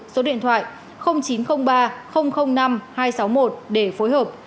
số điện thoại chín trăm linh ba năm hai trăm sáu mươi một để phối hợp